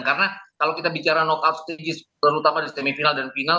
karena kalau kita bicara knock out stage terutama di semifinal dan final